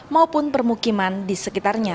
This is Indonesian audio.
maupun permukiman di sekitarnya